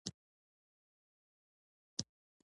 خټکی د التهاب ضد خاصیت لري.